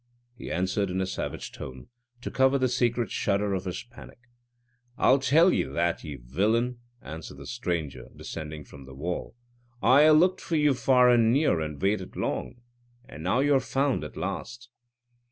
He answered in a savage tone, to cover the secret shudder of his panic. "I'll tell you that, ye villain!" answered the stranger, descending from the wall, "I a' looked for you far and near, and waited long, and now you're found at last."